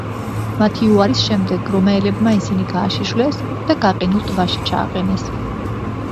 მათი უარის შემდეგ რომაელებმა ისინი გააშიშვლეს და გაყინულ ტბაში ჩააყენეს.